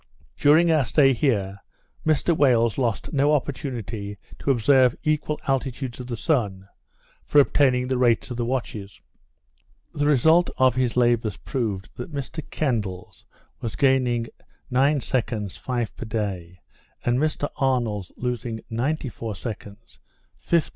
During our stay here, Mr Wales lost no opportunity to observe equal altitudes of the sun, for obtaining the rates of the watches. The result of his labours proved, that Mr Kendal's was gaining 9", 5 per day, and Mr Arnold's losing 94", 15s per day, on mean time.